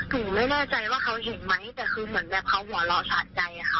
คือไม่แน่ใจว่าเขาเห็นไหมแต่คือเหมือนแบบเขาหว่อหล่อชาติใจค่ะ